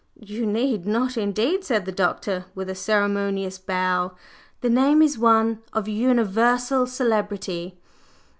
"You need not, indeed!" said the doctor, with a ceremonious bow. "The name is one of universal celebrity."